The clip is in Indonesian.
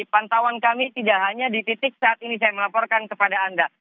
pantauan kami tidak hanya di titik saat ini saya melaporkan kepada anda